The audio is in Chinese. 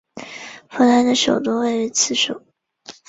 扶南的首都位于此处。